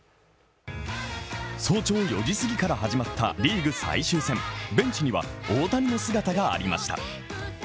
早朝４時過ぎから始まったリーグ最終戦、ベンチには大谷の姿がありました。